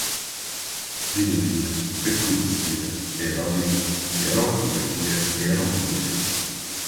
primazias, acrobacia, aeródino, aerofotografia, aeromodelismo